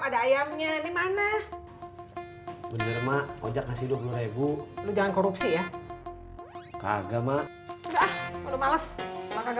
ada ayamnya dimana bener mak ojek kasih rp dua puluh lu jangan korupsi ya kagak mak